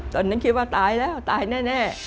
ตอนนั้นคิดว่าตายแล้วตายแน่